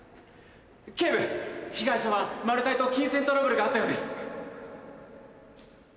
「警部被害者はマルタイと金銭トラブルがあったようです」。